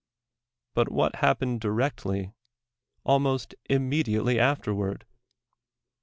But what happened directly, al most innnediately afterward?